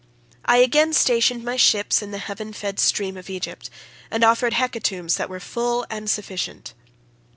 I again stationed my ships in the heaven fed stream of Egypt, and offered hecatombs that were full and sufficient.